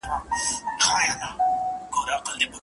واټسن وايي چي لارښود دي یوازي پیلنۍ مسوده وګوري.